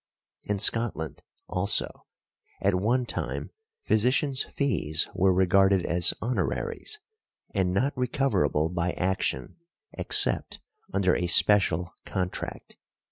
In Scotland, also, at one time physicians' fees were regarded as honoraries, and not recoverable by action except under a special contract .